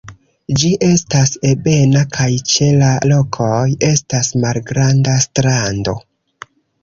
Ĝi estas ebena kaj ĉe la rokoj estas malgranda strando.